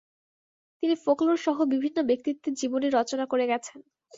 তিনি ফোকলোরসহ বিভিন্ন ব্যক্তিত্বের জীবনী রচনা করে গেছেন।